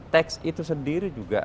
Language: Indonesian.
teks itu sendiri juga